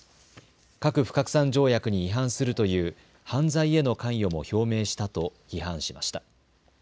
核不拡散条約に違反するという犯罪への関与も表明したと批判しました。